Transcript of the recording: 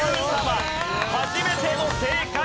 初めての正解。